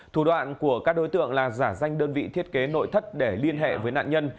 thủ đoạn của các đối tượng là giả danh đơn vị thiết kế nội thất để liên hệ với nạn nhân